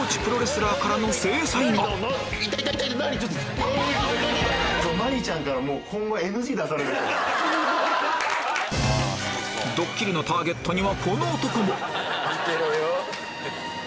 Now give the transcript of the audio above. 何⁉ドッキリのターゲットにはこの男も見てろよ！